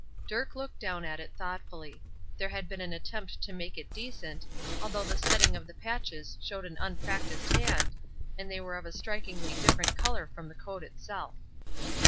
Dirk looked down at it thoughtfully. There had been an attempt to make it decent, although the setting of the patches showed an unpractised hand, and they were of a strikingly different color from the coat itself.